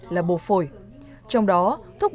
là ba tiền một mục này